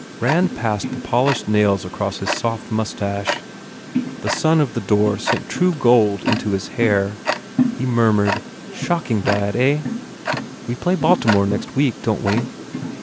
Rand passed the polished nails along the soft moustache. The sun of the door sent true gold into his hair. He murmured, "Shocking bad, eh? We play Baltimore, next week, don t we?"